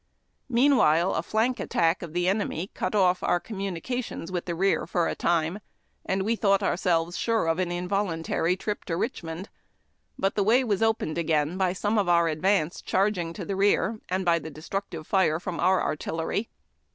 Meanwhile, a flank attack of the enemy cut off our commu nications with the rear for a time, and we thought ourselves sure of an involuntary trip to Richmond; but the way was opened again by some of our advance charging to the rear, and b}^ the destructive fire from our artillery.